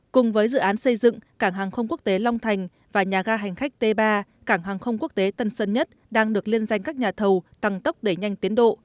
cùng với dự án xây dựng cảng hàng không quốc tế long thành và nhà ga hành khách t ba cảng hàng không quốc tế tân sơn nhất đang được liên danh các nhà thầu tăng tốc đẩy nhanh tiến độ